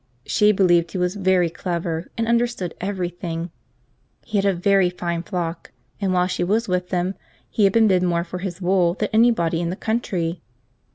She believed he was very clever, and understood every thing. He had a very fine flock, and, while she was with them, he had been bid more for his wool than any body in the country.